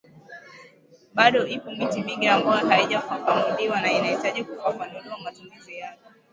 Bado ipo miti mingi ambayo haijafafanuliwa na inahitaji kufafanuliwa matumizi yake